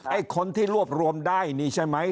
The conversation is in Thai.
ไอ้คนที่รวบรวมได้นี่ใช่ไหม